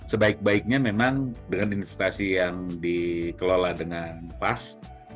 sebaik baiknya memang dengan investasi yang dikelola dengan pas